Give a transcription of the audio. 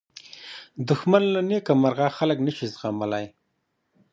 دښمن له نېکمرغه خلک نه شي زغملی